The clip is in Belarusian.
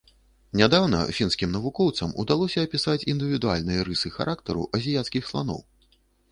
Нядаўна фінскім навукоўцам удалося апісаць індывідуальныя рысы характару азіяцкіх сланоў.